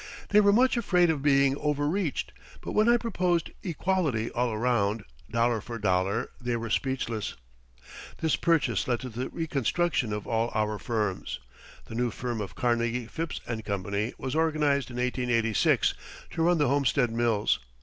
They were much afraid of being overreached but when I proposed equality all around, dollar for dollar, they were speechless. This purchase led to the reconstruction of all our firms. The new firm of Carnegie, Phipps & Co. was organized in 1886 to run the Homestead Mills.